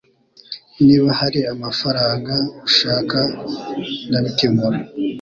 Niba hari amafaranga ushaka ndabikemura